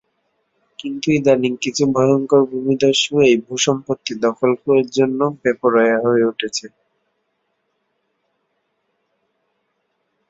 কিন্তু ইদানীং কিছু ভয়ংকর ভূমিদস্যু এই ভূসম্পত্তি দখলের জন্য বেপরোয়া হয়ে উঠেছে।